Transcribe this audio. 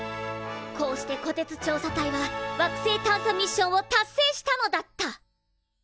こうしてこてつ調査隊は惑星探査ミッションを達成したのだった！